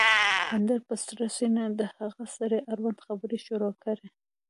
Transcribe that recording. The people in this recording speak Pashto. اندړ په سړه سينه د هغه سړي اړوند خبرې شروع کړې